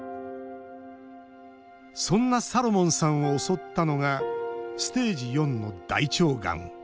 そんなサロモンさんを襲ったのがステージ４の大腸がん。